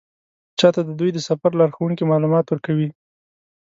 چا ته د دوی د سفر لارښوونکي معلومات ورکوي.